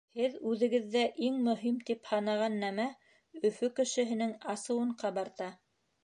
Һеҙ үҙегеҙҙә иң мөһим тип һанаған нәмә Өфө кешеһенең асыуын ҡабарта.